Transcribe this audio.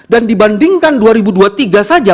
dan dibandingkan dua ribu dua puluh tiga saja